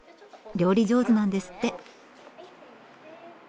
料理上手なんですって。